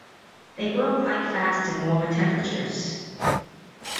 They grow quite fast in warmer temperatures.